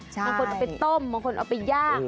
บางคนเอาไปต้มบางคนเอาไปย่าง